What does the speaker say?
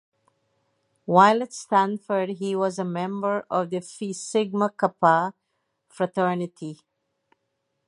While at Stanford he was a member of the Phi Sigma Kappa fraternity.